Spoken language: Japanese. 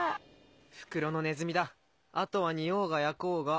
袋のネズミだあとは煮ようが焼こうが。